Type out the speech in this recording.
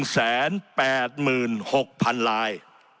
๑แสน๘หมื่น๖พันลาย